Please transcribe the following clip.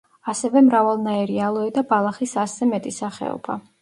ასევე მრავალნაირი ალოე და ბალახის ასზე მეტი სახეობა.